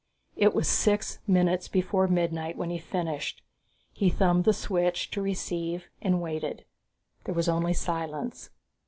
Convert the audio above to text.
It was six minutes before midnight when he finished. He thumbed the switch to receive and waited. There was only silence.